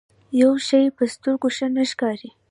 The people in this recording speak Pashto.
يو شی په سترګو ښه نه ښکاري.